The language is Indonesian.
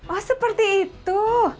oh seperti itu